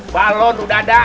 balon udah ada